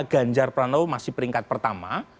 ganjar pranowo masih peringkat pertama